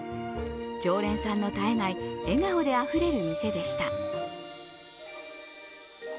常連さんの絶えない笑顔であふれる店でした。